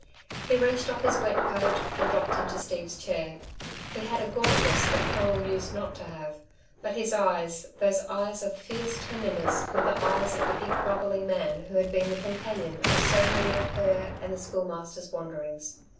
He wrenched off his wet coat and dropped into Steve's chair. He had a gauntness that Conal used not to have. But his eyes, those eyes of fierce tenderness, were the eyes of the big brotherly man who had been the companion of so many of her and the Schoolmaster's wanderings.